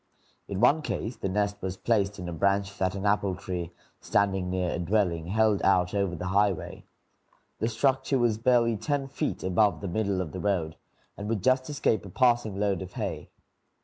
In one case, the nest was placed in a branch that an apple tree, standing near a dwelling, held out over the highway. The structure was barely ten feet above the middle of the road, and would just escape a passing load of hay.